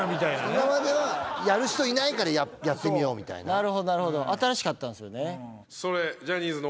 今まではやる人いないからやってみようみたいななるほどなるほど新しかったんですよね